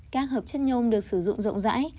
các hợp chất nhôm được sử dụng rộng rãi